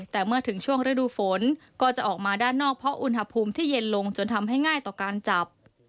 แต่เมื่อถึงช่วงฤดูฝนก็จะออกมาด้านนอกเพราะอุณหภูมิที่เย็นลงจนทำให้ง่ายต่อการจับ